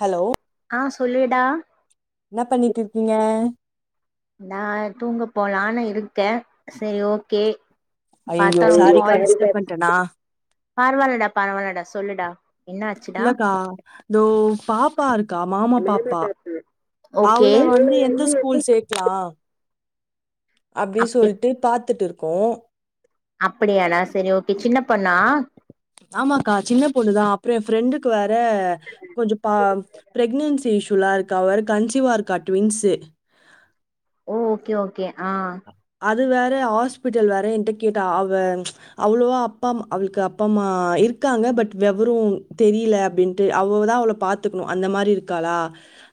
Hello ஆ சொல்லுடா என்ன பண்ணிட்டு இருக்கீங்க நான் தூங்க போலானு இருக்கேன் செரி ஓக்கே ஐயயோ சாரிக்கா டிஸ்டர்ப் பண்ணிட்டேனா பரவால்டா பரவால்டா சொல்லுடா என்ன ஆச்சுடா இல்லக்கா இந்தோ பாப்பா இருக்கா மாமா பாப்பா ஓகே அவள வந்து எந்த ஸ்கூல் சேக்கலாம் அப்படி சொல்லிட்டு பாத்துட்டு கு அப்படியானா சரி ஓ ஆமாக்கா சின்ன பொண்ணுதான் அப்புறம் என் ஃப்ரெண்டு வர் கொஞ்சம் பா பிரெக்னன்சி ஸ்சுலா இருக்கு அவர் கன்சிவா இருக்கு டுவின்ஸூ ஓ ஓகே ஓகே ஆஹ் அது வேறு ஹாஸ்பிட்டல் வேறு என்ட்ட கேட்டால் அவள் அவ்வளோவா அப்பாம்மா அவளுக்கு அப்பா அம்மா இருக்காங்க பட் வெவரும் தெரியல அப்படின்ட்டு அவ்ள தான் அவளை பாத்துக்கணும் அந்த மாதிரி இருக்காளா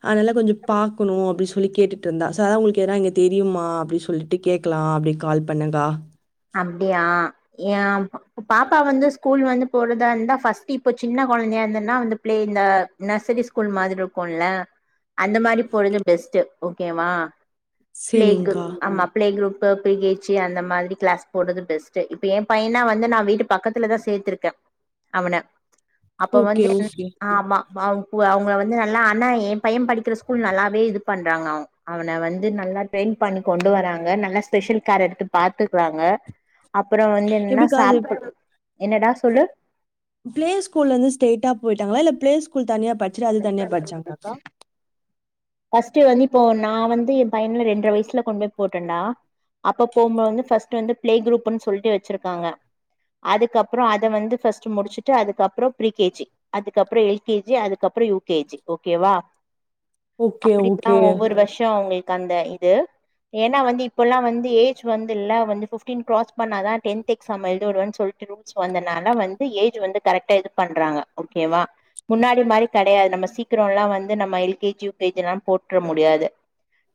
அதனால் கொஞ்சம் பாக்கணும் அப்படின்னு சொல்லி கேட்டுகட்டு இருந்தா ஸோ அதான் அவங்களுக்கு ஏதாவது எங்கே தெரியுமா அப்படின்னு சொல்லிட்டு விட்டு கேட்கலாம் அப்டி கால் பண்ணே க்கா அப்டியா ஏ பாப்பா வந்து ஸ்கூல் வந்து போறதா இருந்தா பஸ்ட் இப்ப சின்ன குழந்தையா இருந்தன்னா வந்து பிளே இந்த நர்சரி ஸ்கூல் மாதிரி இருக்கும்ல அந்த மாதிரி போறது பெஸ்ட் ஓகேவா பிளே சரிங்க்கா. குப் ஆமா பிளே குரூப் ஒரு பிகேச்சி அந்த மாதிரி கிளாஸ் போடுறது பெஸ்ட் இப்ப என் பையனா வந்து நான் வீட்டு பக்கத்துலதான் சேர்த்திருக்கேன் அவன அப்ப ஓகே, வந்து என் ஓகே. ஆமா அவங்கள வந்து நல்லா ஆனா என் பையன் படிக்கிற ஸ்கூல் நல்லாவே இது பண்றாங்க அவன் அவனை வந்து நல்லா ட்ரெயின் பண்ணி கொண்டு வராங்க நல்லா ஸ்பெஷல் கேர் எடுத்து பார்த்துக்குறாங்க அப்புறம் வந்து என்னன்னா எப்படிக்கா அது சாப்புடு என்னடா சொல்லு பிளே ஸ்கூலந்லேருந்து ஸ்டைட்டா போயிட்டா இல்ல பிளே ஸ்கூல் தனியா படிச்சுடு அது தனியா படிச்சாங்களாக்கா ஃபர்ஸ்ட் வந்து இப்போ நான் வந்து என் பையனுல ரெண்டரை வயசுல கொண்டு போய் போட்டேண்டா அப்ப போகும்போது வந்து பஸ்ட் வந்து பிளே குரூப்ன்னு சொல்லிட்டு வச்சிருக்காங்க அதுக்கப்புறம் அதை வந்து ஸ் முடிச்சுட்டு அதுக்கப்புறம் ப்ரிகேஜி அதுக்கறம் எல்கேஜி அதுக்கு அதுக்கப்புறம் யூகேஜி ஓக்கேவா ஓகே, ஓகே. அப்படில்லான் ஒவ்வொரு வருஷம் அவங்களுக்கு அந்த இது ஏன்னா வந்து இப்போல்லாம் வந்து ஏஜ் வந்துல ஃபிப்டின் கிராஸ் பண்ண தான் டென்த் எக்ஸாம் எழுதவிடுவன்னு சொல்லிட்டு ரூல்ஸ் வந்துனால வந்து ஏஜ் கரட்டா இது பன்றாங்க ஓகே வா முன்னாடிமாரி கிடையாது நம்ம சீக்கிரம் எல்லாம் வந்து நம்ம எல்கேஜி யுகேஜி எல்லாம் போட்டு முடியாது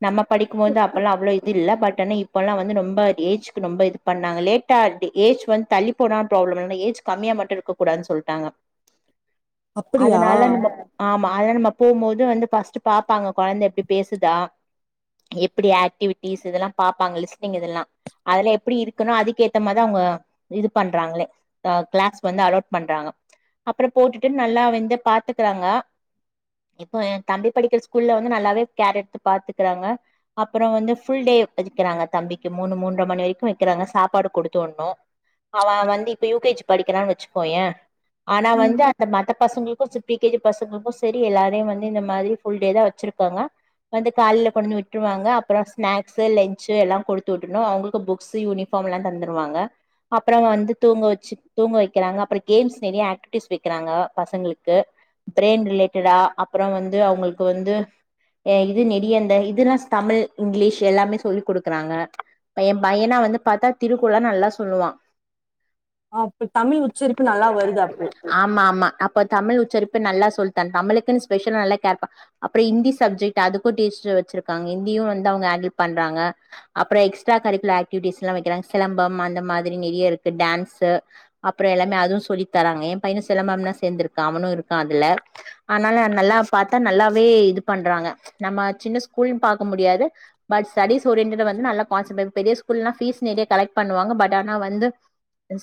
நம்ம படிக்கும் போது அப்பல்லாம் அவ்வளவு இது இல் பட் ஆனா இப்பல்லாம் வந்து ரொம்ப ஏஜு ரொம்ப இது பண்ணாங்க லேட்டா ஏஜ் வந்து தள்ளி போடனு ப்ராப்ளம் ஏ ஏஜ் கம்மியா மட்டும் இருக்க கூடானு சொல்லிட்டாங்க அப்படியா மாத நம்ம போகும்போது வந்து பஸ்ட் பாப்பாங்க குழந்தை எப்புடி பேசுத எப்படி ஆக்ட்டிவிட்டிஸ் இதயெல்லாம் பாப்பாங்க லிஸ்ட்லினிங் இதெல்லாம் எப்படி இருக்குனும் அதுக்கு ஏத்த மாரி அவுங்க இதுபன்றாங்ளே கிளாஸ் அலோபன்றாங்க அப்புறம் போட்டுட்டு நல்லா வந்து பாத்துட்டு ங்க இப்போ என் தம்பி படிக்கிற ஸ்கூல்ல வந்து நல்லாவே கேர் எடுத்து பாத்துக்கிறாங்க அப்புறம் வந்து புல் டே வைக்கிறாங்க தம்பிக்கு மூணு மூன்று மணி வரைக்கும் வைக்கிறாங்க சாப்பாடு கொடுத்த ஒடணும் அவன் வந்து இப்ப யூகேஜ படிக்கிறான்னு வச்சுக்கோ ஏன் ஆனா ம். வந்து அந்த மத்த பசங்களுக்கு சிப்ட் பிகேஜி பசங்களுக்கும் சரி எல்லாரையும் வந்து இந்த மாதிரி ஃபுல் டே தான் வச்சுருக்காங்க வந்து காலையில் கொண்டு வந்து விட்டு்ருவாங்க அப்புறம் ஸ்நாக்ஸ் லன்சு எல்லாம் கொடுத்து விட்டுணும் அவங்களுக்கு புக்ஸ் யூனிஃபார்ம் எல்லாம் தந்துடுவாங்க அப்புறம் வந்து தூங்க வச்சு தூங்க வைக்கிறாங்க அப்புறம் கேம்ஸ் நிறைய ஆக்டிவிட்டிஸ் வைக்கிறாங்க பசங்களுக்கு பிரேன் ரிலேட்டடா அப்புறம் வந்து அவங்களுக்கு வந்து இது நெடியந்த இதுல்லாம் தமிழ் இங்கிலீஷ் எல்லாமே சொல்லி் கொடுக்குறாங்க என் பையனா வந்து பார்த்தா திருக்குரள்ளா நல்லா சொல்லுவான் ஆஹ் தமிழ் உச்சரிப்பு நல்லா வருது அப்போ ஆமா ஆமா அப்ப தமிழ் உச்சரிப்பு நல்லா சொல்லி தர தமிழுக்கு ஸ்பெஷல் நல்லா கேர் பண்ணி அப்புறம் ஹிந்தி சப்ஜெக்ட் ஹிந்தி லிஸ்ட் வச்சிருக்காங்க ஹிந்தியும் வந்து ஹேண்டில் பண்றாங்க அப்புறம் எக்ஸ்டா கலர்கலர் ஆக்டிவிட்டீஸ் எல்லாம் வைக்கிறாங்க சிலம்பம் அந்த மாதிரி நிறைய இருக்கு டான்ஸ் அப்புறம் எல்லாமே அதுவும் சொல்லி தராங்கே என் பையனு சிலம்பம்லா சேர்ந்திருக்கு அவனும் இருக்கா அதுல ஆனாலு நல்லாவே பார்த்தா நல்லாவே இது பண்றாங்க நம்ம சின்ன ஸ்கூல் பாக்கா முடியாது பட் சர்வீஸ் ஓரியண்டல் வந்து நல்ல கான்ஸ்டிடல் பெரிய ஸ்கூல்ல பீஷ் நெறைய கலைட்பன்னுவாங்க பட் ஆன வந்து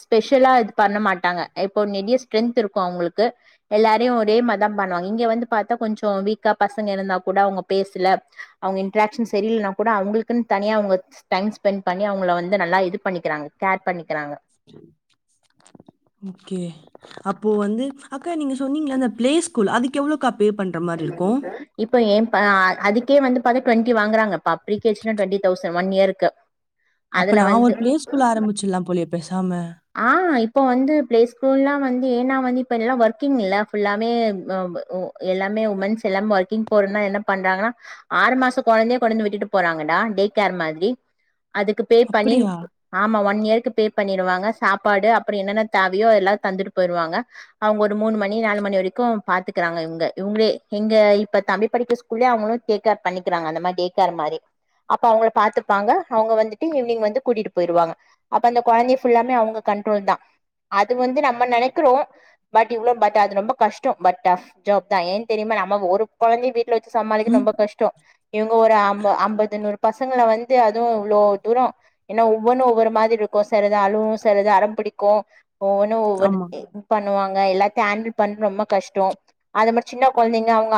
ஸ்பெலா பண்ண மாட்டாங்க இப்ப நிறைய ஸ்ட்ரென்த் இருக்கும் அவங்களுக்கு எல்லாரையும் ஒரே மாதிரிதான் பண்ணுவாங்க இங்க வந்து பார்த்தா கொஞ்சம் வீக்கா பசங்க இருந்தா கூட அவங்க பேசல அவங்க இன்ட்ராகஷன் சரியிலனா கூட அவங்களுக்குன்னு தனியா அவங்க டைம் ஸ்பென் பண்ணி அவங்க வந்து நல்லா இது பண்ணிக்காங்க கேர் பண்ணிக்கிறாங்க ஓகே அப்போ வந்து அக்கா நீங்க சொன்னீங்களா அந்த பிளே ஸ்கூல் அதுக்கு எவ்ளோ அக்கா இப்ப ஏன் ப்பா அதுக்கே வந்து பாத்தா ட்வெண்டி வாங்கறாங்க பா பிரிகேச்ஜி னா ட்வெண்டி தௌசண்ட் ஒன் இயருக்கு அப்ப நான் ஒரு பிளே ஸ்கூல் ஆரம்பிச்சிடலாம் போலியே பேஸ் ஆஹ் இப்போ வந்து பிளே ஸ்கூல்லா வந்து ஏன்னா வந்து இப்ப எல்லாம் ஒர்கிங் இல்ல புல்லாவே எல்லாமே உமன்ஸ் எல்லாமே ஒர்க்கிங் போறனா என்ன பண்றாங்கன்னா ஆறு மாசம் குழந்தே வந்து விட்டுட்டு போறாங்கடா டே கேர் மாதிரி அதுக்கு பே பண்ணி அப்படியா? ஆமா ஒன் இயர்கு பே பண்ணிருவாங்க சாப்பாடு அப்புறம் என்னென்ன தேவையோ எல்லாம் தந்துட்டு போயிருவாங்க அவங்க ஒரு மூணு மணி நாலு மணி வரைக்கும் பாத்துக்கறாங்க இவுங்க இவுங்களே எங்க இப்ப தம்பி படிக்கிற ஸ்கூல்லே அவுங்களும் டேக்கேர் பண்ணிக்கிறாங்க அந்த மாதிரி டே கேர் மாரி அப்ப அவுங்கள பாத்துப்பாங்க அவங்க வந்துட்டு ஈவினிங் வந்து கூட்டிட்டு போயிருவாங்க அப்ப அந்த குழந்தைய புல்லாமே அவுங் கண்ட்ரோல் தான் அது வந்து நம்ம நினைக்கிறோம் பட் இவ்ளோ பட் அது ரொம்ப கஷ்டம் பட் டப் ஜாப் தான் ஏன் தெரியுமா நம்ம ஒரு குழந்தையவே வீட் ட்ல வச்சு சமாளிக்க ம். ரொம்ப கஷ்டம் இவங்க ஒரு அம்ப ஐம்பது நூறு பசங்கள வந்து அதுவும் இவ்வளோ தூரம் ஏன்னா ஒவ்வொன்னு ஒவ்வொரு மாதிரி இருக்கும் செலது அழுவும் செலது அடம் பிடிக்கும் ஒவ்வொன்னும் ஒவ்வொரு ஆமா. பண்ணுவாங்க எல்லாத்தையும் ஹேண்டில் பண்ணறது ரொம்ப கஷ்டம் அது மாரி சின்ன குழந்தைங்க அவங்க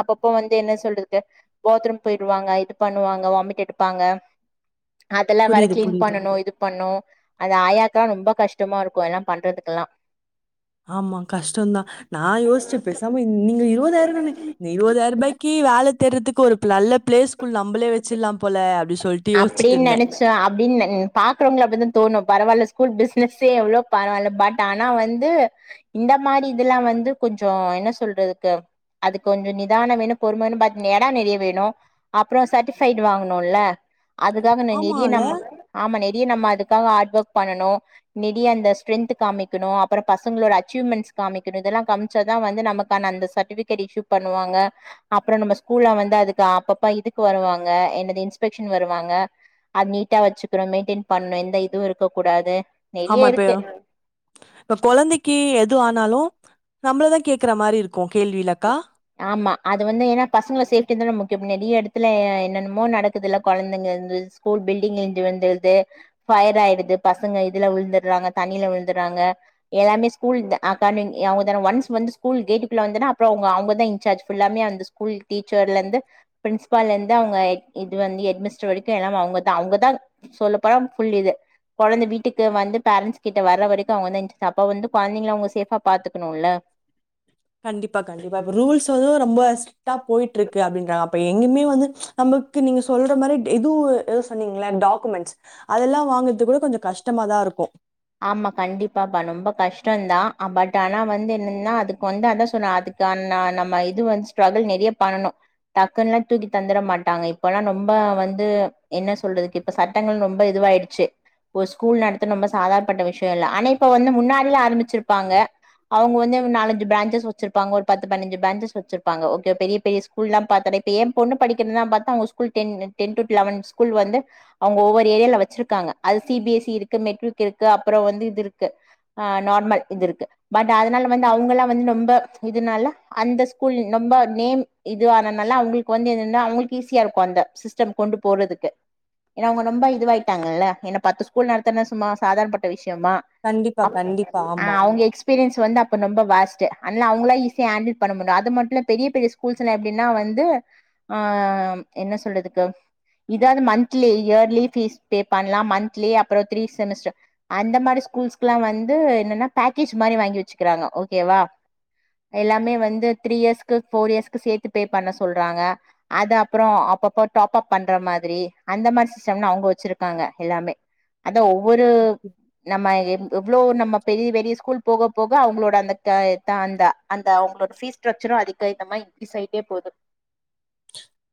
அப்பப்ப வந்து என்ன சொல்றதுக்கு பாத்ரூம் போயிருவாங்க இது பண்ணுவாங்க வாமிட் எடுப்பாங்க அதெல்லாம் வேற புரியுது, கிளீன் புரியுது. பண்ணணும் இது பண்ணும் அது ஆயா தான் ரொம்ப கஷ்டமா இருக்கும் எல்லாம் பண்றதுக்கெல்லாம் ஆமா கஷ்டம்தான் நான் யோசிச்சே பேசாம நீங்க இருவதாயிர தானே இந்த இருபதாயரூபாய்க்கு வேலை தேட்றதுக்கு ஒரு நல்ல பிளேஸ்கூல் நம்மளே வச்சிடலாம் போல அப்டி சொல் அப்படின்னு நினைச்சேன் அப்படின்னு பாக்குறவங்கள அப்படிதான் தோணும் பரவால்ல ஸ்கூல் பிஸ்னசே எவ்ளோ பரவால்ல பட் ஆனா வந்து இந்த மாரி இதெல்லாம் வந்து கொஞ்சம் என்ன சொல்றதுக்கு அதுக்கு கொஞ்சம் நிதானம் வேணும் பொறுமை வேணும் பட் இடம் நிறைய வேணும் அப்புறம் சர்ட்டிபைட் வாங்கணும்ல அதுக்காக நெடிய ஆமால. நம்ம ஆமா நெ நம்ம அதுக்காக ஹாட் ஒர்க் பண்ணணும் நெடிய அந்த ஸ்டென்த் காமிக்கணும் அப்புறம் பசங்களோட அச்சீவ்மென்ட்ஸ் காமிக்கணும் இதெல்லாம் காமிச்சான் நமக்கான சட்டிவிகேட் இஷு பண்ணுவாங்க அப்புறம் நம்ம ஸ்கூல்ல வந்து அப்பப்ப இதுக்கு வருவாங்க என்னது இ்ன்ஸ்பெக் ஷ்சன் வருவாங்க அது நீட்டா வச்சுகணு மெய்ன்டன் பண்ணணு எந்த இதுவும் இருக்க கூடாது நெறைய ஆமா இருக்கு இப்பயா இப்ப குழந்தைக்கு எது ஆன் னாலும் நம்மள தான் கேக்குற மாரி இருக்கும் கேள்விலாக்கா ஆமா அது வந்து ஏன்னா பசங்கள சேப்டி தானே முக்கிய நிறைய இடத்துல என்னன்னமோ நடக்குதுல்ல குழந்தைங்க ஸ்கூல் பில்டி இடிந்து விழுந்துறுது ஃபயர் ஆயிடுது பசங்க இதுல விழுந்துடுறாங்க தண்ணியில விழுந்துறாங்க எல்லாமே ஸ்கூல் ங்கான ஒன்ஸ் வந்து ஸ்கூல் கேட்டுக்குள்ள வந்தா அப்புறம் அவு ங்க அவுங்க ன்சார்ஜ் புல்லாவுமே அந்த ஸ்கூல் டீச்சர்ல இருந்து பிரின்ஸ்பால் இருந்து அவுங்க ஹெட்மினிஸ்டர் வரைக்கும் எல்லாமே அவுங்கதான் அவுங்கதான் சொல்லப்போனா இழந்தை வீட்டுக்கு வந்து பேரன்ஸ் கிட்ட வர்ற வரைக்கும் இன்ஸ்டாப் அவுங்க வந்து குழந்தைங்க அவுங்க சேப்பா பாத்துக்கணும் ல கண்டிப்பா கண்டிப்பா இப்ப ரூல்ஸ் வது ரொம்ப ஸ்ட்ரிட்டா போயிட்டு இருக்கு அப்படின்றாங்க அப்ப எங்கயுமே வந்து நமக்கு நீங்க சொல்ற மாதிரி எதுவும் எதுவும் சொன்னீங்களா டாக்குமெண்ட்ஸ் அதெல்லாம் வாங்க கூட கொஞ்சம் கஷ்டமா இருக்கு ஸ் டம் தான் பட் ஆனா வந்து என்னன்னா அதுக்கு வந்து அதான் சொன்ன அதுக்கு நம்ம இது வந்து ஸ்ட்ரகுள் நிறைய பண்ணனும் டக்குன்ன எல்லாம் தூக்கி தந்துட மாட்டாங்க இப்பல்லாம் ரொம்ப வந்து என்ன சொல்றதுக்கு இப்ப சட்டங்கள் ரொம்ப இதுவாயிடுச்சு ஒரு ஸ்கூல் நடத்த ரொம்ப சாதார பட்ட விஷயம் இல்ல ஆனா இப்ப வந்து முன்னாடியே ஆரம்பிச்சிருப்பாங்க அவுங்கவந்து நாலஞ்சு பிரான்ஜஸ் வச்சுருப்பாங்க ஒரு பத்து பைன்ஜ் பிரான்ஜஸ் வச்சுருப்பாங்க ஓகே பெரிய பெரிய ஸ்கூல் லா பாத்தா ஏன் பொண்ணு படிக்குறனா பாத்தா அவுங்க school ten ten to eleven school வந்து அவுங்க ஒவ்வொரு ஏரியால வச்சுருக்காங்க அது சிபிஎஸ்சி இருக்கு மெட்ரிக் இருக்கு அப்புறம் வந்து இது இருக்கு ஆஹ் நார்மல் இது இருக்கு பட் அதனால வந்து அவுங்காலா வந்து ரொம்ப இதுனால அந்த ஸ்கூல் ரொம்ப நேம் இதுவானனால அவங்களுக்கு வந்து என்னனா அவங்களுக்கு ஈஸியா இருக்கும் அந்த சிஸ்டம் கொண்டு போறதுக்கு ஏன்னா அவங்க ரொம்ப இதுவாய்ட்டாங்கல்ல ஏன்னா பத்து ஸ்கூல் நடத்தனா சும்மா சாதாரணப்பட்ட விஷயம் கண்டிப்பா, கண்டிப்பா. ஆமா. அவுங்க எக்ஸ் எக்ஸ்பீரியன்ஸ் வந்து அப்போ ரொம்ப வேஸ்ட் அன்னாலா அவுங்களா ஈஸியாக ஹேண்டில் பண்ண முடியும் அது மட்டும் இல்ல பெரிய பெரிய ஸ்கூல்ஸ்லாம் எப்படின்னா வந்து என்ன சொல்றதுக்கு இதாவது மந்த்லி இயர்லி ஃபீஸ் பேப் பண்ணலாம் மந்த்லி அப்புறம் த்ரீ செமஸ்டர் அந்த மாரி ஸ்கூல்கலா வந்து என்னன்னா பேக்கேஜ் மாதிரி வாங்கி வச்சுக்கிறாங்க ஓகேவா எல்லாமே வந்து த்ரீ இயர்ஸ்க்கு போர் இயர்ஸ்கு சேர்த்து பேப் பண்ண சொல்றாங்க அது அப்புறம் அப்பப்ப டாப் அப் பண்ற மாதிரி அந்த மாதிரி சிஸடம் லா அவுங்க வச்சிருக்காங்க எல்லாமே அத ஒவ்வொரு நம்ம எவ்வளோ நம்ம பெரிய பெரிய ஸ்கூல் போக போக அவங்களோட அந்த அந்த அந்த அவங்களோட பீஸ் ஸ்ட்ரக்சரும் அதிகமா இன்கிரீஸ் ஆயிட்டே போது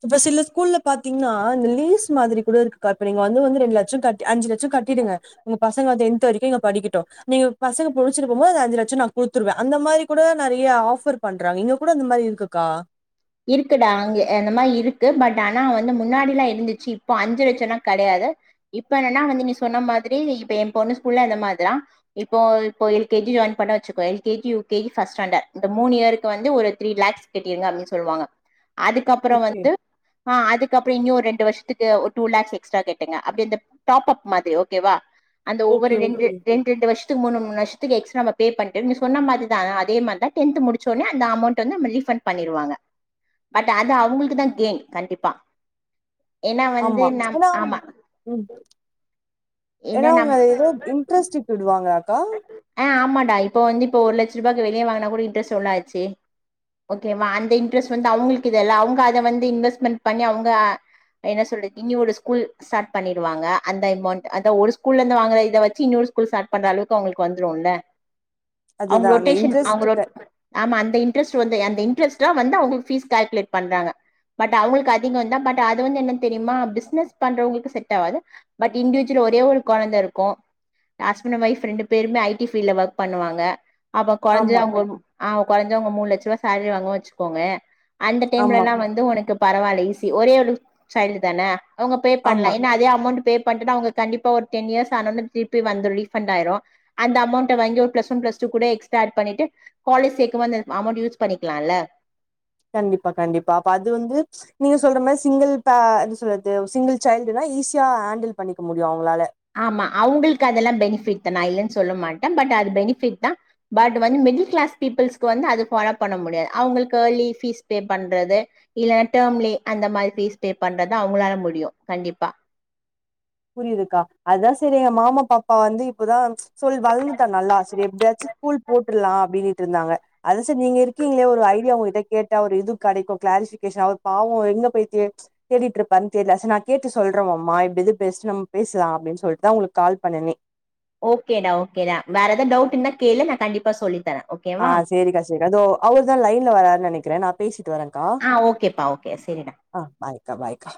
இப்ப சில ஸ்கூல்ல பாத்தீங்கன்னா இந்த லீஸ் மாதிரி கூட இருக்குக்கா இப்ப நீங்க வந்து வந்து ரெண்டு லட்சம் கட்ட அஞ்சு லட்சம் கட்டிடுங்க உங்க பசங்க அத எந்த ஃபிப்த்து வரைக்கும்ங்க படிக்கட்டும் நீங்க பசங்க முடிச்ச போது அஞ்சு லட்சம் நான் குடுத்துருவேன் அந்த மாதிரி நைரய ஆபர் பண்றாங்கங்க கூட மாதிரி இருக்குக்கா இருக்குடா அங்க அந்த மாதிரி இருக்கு பட் ஆனா வந்து முன்னாடி எல்லாம் இருந்துச்சு இப்போ அஞ்சு லட்சம்னா கிடையாது இப்ப என்னன்னா வந்து நீ சொன்ன மாதிரி இப்ப என் பொண்ணு ஸ்கூல்ல அந்த மாதிரிதான் இப்போ இப்போ எல் கேஜி ஜாயின் பண்ண வச்சிருோ எல்கேஜி யுகேஜி ஃபஸ்ட் ஸ்டாண்டர்ட் இந்த மூனு இயருக்கு வந்து ஒரு த்ரீ லக்ஸ் கட்டிருங்க அப்டின்னு சொல்லுவாங்க அதுக்கப்புறம் ஓகே. வந்து ஆஹ் அதுக்கப்புறம் இன்ன ஒரு ரெண்டு வருஷத்துக்கு ஒரு டூ லேக்ஸ் எக்ஸ்ட்ரா கேட்டங்க அப்ப டாப்பப் மாரி ஓகேவா அந்த ஒவ்வொரு ஓகே, ரெண்டு ஓகே. ரெண்டு ரெண்டு வருஷம் மூணு மூணு வருஷத்துக்கு பே பன்னிட்டு அதே மாதிரந்தா டென்த் முடிச்சா அந்த அமொன்ட்வந்து ரீபன்ட் பண்ணிருவாங்க பட் அது அவங்களுக்குதான் கேன் கண்டிப்பா ஏன்னா வந்து ஆமா நம் ஏன்னா ஆமா உம் ஏன்னா உங்க அத ஏதோ இன்ட்ரெஸ்ட் இப்ப விடுவாங்களாக்கா இப்ப வந்து இப்ப ஒரு லட்ச ரூபா வெளிய வாங்குனா கூட எவ்ளோ ஆச்சு ஓகே வா அந்த இன்ட்ரெஸ்ட் வந்து அவுங்க அந்தமௌண்ட்ல இனியொரு ஸ்கூல் ஓபன் பண்ணிருவாங்க அத ஒரு ஸ்கூல்ல இருந்து வாங்கற இதை வச்சு இன்னொரு ஸ்கூல் ஸ்டார்ட் பண்ற அளவுக்கு அவுங்களுக்கு வந்துரும்ல அவங்க அதுதான் அந்த ரொட்டேஷன் அவங்க இன்ட்ரெஸ்ட்டுக்கு ஆமா அந்த இன்ட்ரெஸ்ட் வந்து அந்த பீஸ் கால்குலேட் பண்றாங்க பட் அவுங்களுக்கு அதிகம் தா பட் அதுவந்து என்னனு தெரியுமா பிஸ்னஸ் பன்றவுங்களுக்கு செட் ஆவாது ஒரே ஒரு குழந்தை இருக்கும் ஹஸ்பண்ட் ஒய்ப் ரெண்டு பேருமே ஐடி பீல்ல ஒர்க் பண்ணுவாங்க அப்ப ஆமா குறைஞ்சாங்கணும் ஆ குறைஞ்சா உங்க மூணு லட்ச ரூபா சாலரி வாங்க வச்சுக்கோங்க அந்த ஆமா டைம்லலாம் வந்து உனக்கு பரவாயில்ல ஈசி ஒரே ஒரு சயில்டுதானே அவங்க பே ஆமா பண்ணலாம் என்னனா அதே அமௌண்ட் பே பண்ணா அவங்க கண்டிப்பா ஒரு டென் இயர்ஸ் ஆன திருப்பி வந்து ரீஃபண்ட் ஆயிரும் அந்த அமௌண்ட வாங்கி ஒரு பிளஸ் ஒன் பிளஸ் டூ கூட எக்ஸரா ஆட் பண்ணிட்டு காலேஜ் சேக்கும்போது அமௌண்ட் யூஸ் பண்ணிக்கலாம் ல கண்டிப்பா கண்டிப்பா அப்ப அது வந்து நீங்க சொல்ற மாதிரி சிங்கிள் அ சொல்றது சிங்கிள் சைல்டுனா ஈஸியா ஹேண்டில் பண்ணிக்க முடியும் அவங்களால ஆமா அவங்களுக்கு அதெல்லாம் பெனிபிட் தான் நான் இல்லலைன்னு சொல்ல மாட்டேன் பட் அது பெனிபிட் தான் பட் வந்து மிடில் கிளாஸ் பீப்புிள்ஸ்க்கு வந்து அதது ஃபாலோ பண்ண முடியாது அவங்களுக்கு ஏர்லி பபீஸ் பே பண்றது இல்லைன்னா டர்ம்லே அந்த மாதிரி பீஸ் பே பண்றத அவங்களால முடியும் கண்டிப்பா புரியிதுக்கா அதுதான் சரி எங்க மாமா பாப்பா வந்து இப்போதான் சொல்லி வழந்துட்டா நல்லா சரி எப்படியாச்சும் ஸ்கூல் போட்டுலாம் அப்படின்னு இருந்தாங்க அதா சரி நீங்க இருக்கீங்ளே ஒரு ஐடியா கேப்போ ஒங்கயிட்டே இது கிடைக்கும் க்ளரிவிகேசன் ஆவம்னு சொல்லுட்டு பெஸ்ட் நம்ம பேசலாம் அப்படின்னு சொல்லிட்டுதான் அவுங்களுக்கு கால் பண்னேன்னே ஓகேடா ஓகேடா வேற ஏதாவது டவுட் இருந்தா கேளு நான் கண்டிப்பா சொல்லித்தறேன் ஆஹ் செரி கா செரி கா இதோ அவர் தான் லைன்ல வராரு நினைக் கிறேன் நான் பேசிட் ஆஹ் ஓகேப்பா ஓகே செரிடா அக்காபாய்க்கா